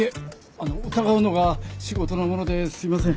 あの疑うのが仕事なものですいません。